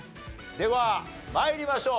では参りましょう。